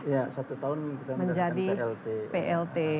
ya satu tahun menjadi plt